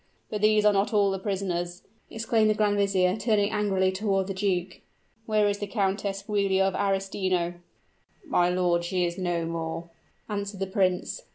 "But these are not all the prisoners," exclaimed the grand vizier, turning angrily toward the duke; "where is the Countess Giulia of Arestino?" "My lord, she is no more," answered the prince.